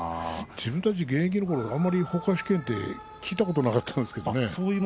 自分たちが現役のころはあまり、ほうか織炎とは聞いたことがなかったんですけれども。